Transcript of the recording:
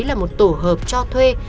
là một tổ hợp cho thuê